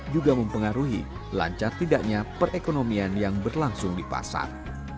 juga mempengaruhi lancar tidaknya perekonomian yang berlangsung di pasar